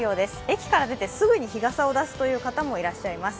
駅から出てすぐに日傘を出すという方もいらっしゃいます。